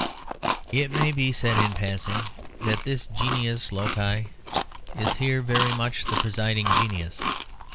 It may be said in passing that this genius loci is here very much the presiding genius.